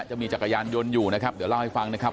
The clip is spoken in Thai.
จักรยานยนต์อยู่นะครับเดี๋ยวเล่าให้ฟังนะครับ